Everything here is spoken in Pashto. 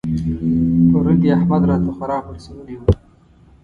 پرون يې احمد راته خورا پړسولی وو.